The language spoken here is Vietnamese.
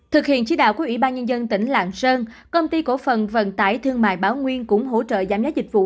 thực hiện chí đạo của ủy ban nhân dân tỉnh lạng sơn công ty cổ phần vận tải thương mại báo nguyên cũng hỗ trợ giảm giá dịch vụ